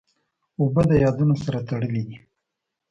اوبه د یادونو سره تړلې دي.